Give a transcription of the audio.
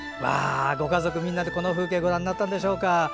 ご家族みんなで、この風景をご覧になったんでしょうか。